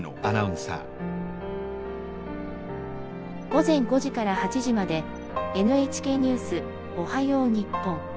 「午前５時から８時まで『ＮＨＫニュースおはよう日本』。